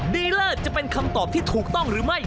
ดีเลอร์จะเป็นคำตอบที่ถูกต้องหรือไม่